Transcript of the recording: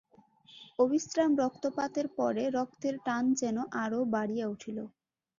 অবিশ্রাম রক্তপাতের পরে রক্তের টান যেন আরও বাড়িয়া উঠিল।